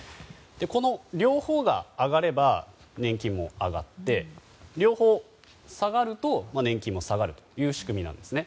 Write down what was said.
この両方が上がれば年金も上がって両方、下がると年金も下がるという仕組みなんですね。